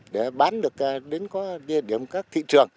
để bán được đến có địa điểm các thị trường